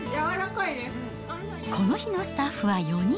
この日のスタッフは４人。